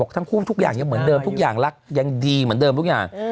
ทุกอย่างยังเหมือนเดิมทุกอย่างรักยังดีเหมือนเดิมทุกอย่าง